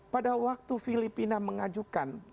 pada waktu filipina mengajukan